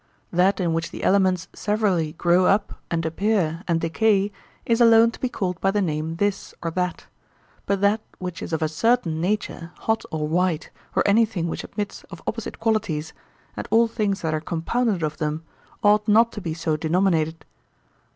That in which the elements severally grow up, and appear, and decay, is alone to be called by the name 'this' or 'that'; but that which is of a certain nature, hot or white, or anything which admits of opposite qualities, and all things that are compounded of them, ought not to be so denominated.